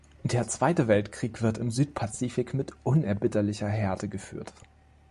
Der Zweite Weltkrieg wird im Südpazifik mit unerbittlicher Härte geführt.